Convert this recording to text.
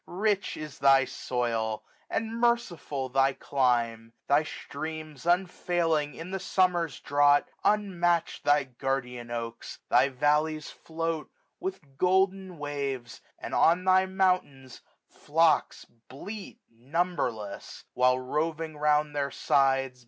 Rich is thy soil, and merciful thy clime; 1445 Thy streams unfailing in the the Summer's drought ; 164 SUMMER* UnmatchM thy guardian oaks ; thy valleys float With golden waves : and on thy mountains flocks Bleat numberless ; while, roving round their sides.